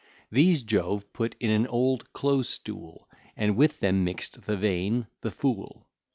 These Jove put in an old close stool, And with them mix'd the vain, the fool.